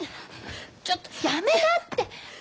ちょっとやめなって！